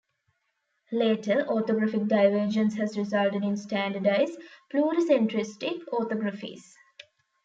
Later orthographic divergence has resulted in standardised pluricentristic orthographies.